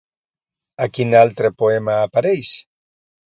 A quin altre poema apareix?